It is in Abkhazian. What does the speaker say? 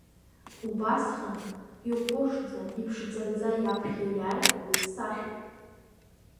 Убысҟан, иҟәышӡа, иԥшӡаӡа иаԥхьа иааит уи лсахьа.